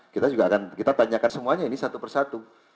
kita juga akan kita tanyakan semuanya ini satu persatu